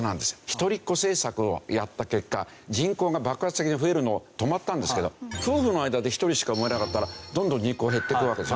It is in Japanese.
一人っ子政策をやった結果人口が爆発的に増えるのは止まったんですけど夫婦の間で１人しか生まれなかったらどんどん人口減っていくわけでしょ？